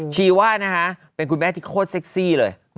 ชีว่านะคะเป็นคุณแม่ที่โคตรเซ็กซี่เลย